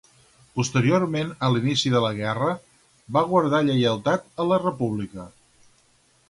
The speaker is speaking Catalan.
Posteriorment a l'inici de la guerra, va guardar lleialtat a la República.